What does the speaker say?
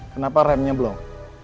kenapa remnya blong